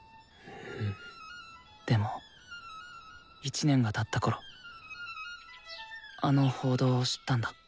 でも１年がたったころあの報道を知ったんだ。